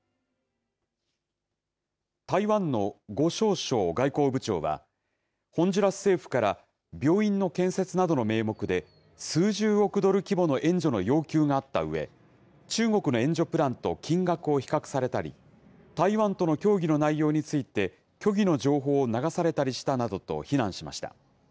台湾の呉しょう燮外交部長はホンジュラス政府から病院の建設などの名目で数十億ドル規模の援助の要求があったうえ中国の援助プランと金額を比較されたり台湾との協議の内容について虚偽の情報を流されたりしたなどと非難しました。